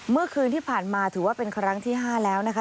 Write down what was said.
เมื่อคืนที่ผ่านมาถือว่าเป็นครั้งที่๕แล้วนะคะ